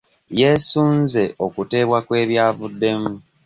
Yeesunze okuteebwa kw'ebyavuddemu.